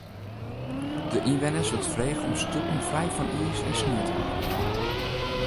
De ynwenners wurdt frege om stoepen frij fan iis en snie te hâlden.